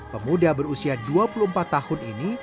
pemuda berusia dua puluh empat tahun ini